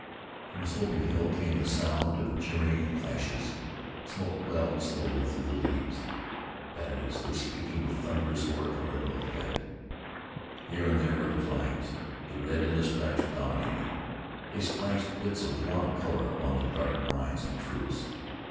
From a sloping hill came the sound of cheerings and clashes. Smoke welled slowly through the leaves. Batteries were speaking with thunderous oratorical effort. Here and there were flags, the red in the stripes dominating. They splashed bits of warm color upon the dark lines of troops.